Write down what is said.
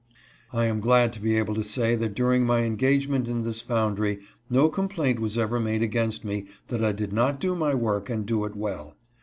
I am glad to be able to say that during my engagement in this foundry no complaint was ever made against me that I did not do my work, and do it well.